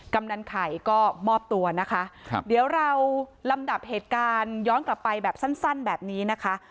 กำนันไข่ก็มอบตัวนะคะครับเดี๋ยวเราลำดับเหตุการณ์ย้อนกลับไปแบบสั้นแบบนี้นะคะ